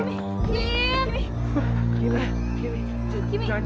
aduh sedikit lagi itu